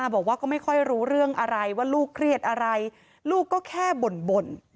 บอกว่าก็ไม่ค่อยรู้เรื่องอะไรว่าลูกเครียดอะไรลูกก็แค่บ่น